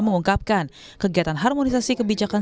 mengungkapkan kegiatan harmonisasi kebijakan